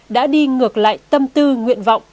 đã đi ngược lại tâm tư nguyện vọng